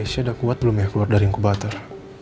keisha udah kuat belum ya keluar dari incubator